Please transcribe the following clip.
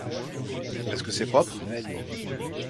Est-ce que c’est propre ?